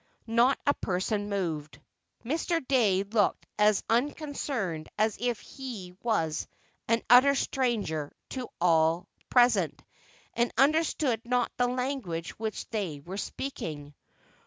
Not a person moved. Mr, Dey looked as unconcerned as if he was an utter stranger to all present, and understood not the language which they were speaking.